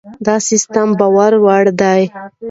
دا سیستم باور وړ دی.